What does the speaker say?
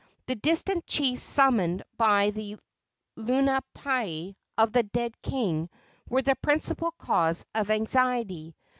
The distant chiefs summoned by the lunapais of the dead king were the principal cause of anxiety.